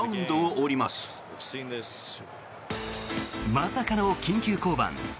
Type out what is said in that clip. まさかの緊急降板。